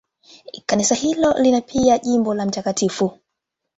Kanisa hilo lina pia jimbo la Mt.